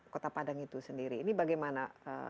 kota padang itu sendiri ini bagaimana